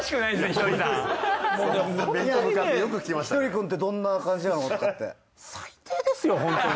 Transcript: ひとりくんってどんな感じなの？とかって。